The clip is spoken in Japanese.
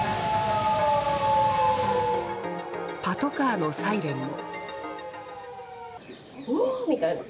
パトカーのサイレンも。